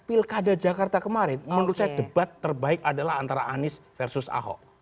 pilkada jakarta kemarin menurut saya debat terbaik adalah antara anies versus ahok